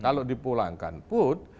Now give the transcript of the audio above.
kalau dipulangkan pun